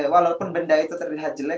walaupun benda itu terlihat jelek